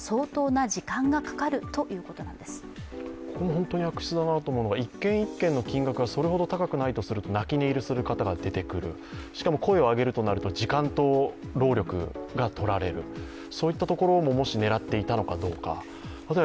本当に悪質だなと思うのが１件１件の金額がそれほど高くないとすると泣き寝入りする人が出てくる、しかも、声を上げるとなると時間と労力がとられる、そういったところももし狙っていたのかどうか。